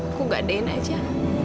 aku gak dehin aja